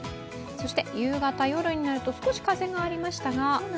そして夕方、夜になると少し風がありましたが。